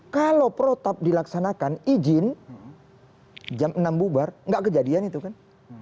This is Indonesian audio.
kalau protap dilaksanakan izin jam enam bubar nggak kejadian itu kan